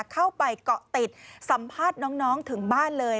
เข้าไปเกาะติดสัมภาษณ์น้องถึงบ้านเลย